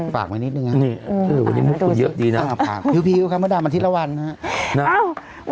ฝากไว้นิดหนึ่งนะครับวันนี้มุมคุณเยอะดีนะครับค่ะพิวคำว่าดามอาทิตย์ละวันนะครับ